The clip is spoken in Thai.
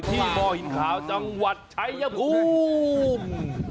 ที่หม้อหินขาวจังหวัดชัยภูมิ